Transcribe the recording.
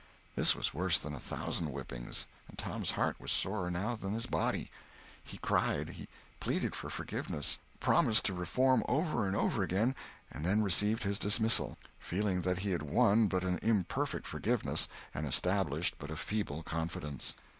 This was worse than a thousand whippings, and Tom's heart was sorer now than his body. He cried, he pleaded for forgiveness, promised to reform over and over again, and then received his dismissal, feeling that he had won but an imperfect forgiveness and established but a feeble confidence.